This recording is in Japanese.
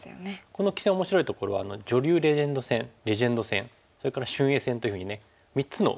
この棋戦面白いところは女流レジェンド戦レジェンド戦それから俊英戦というふうにね３つのカテゴリーに分かれた。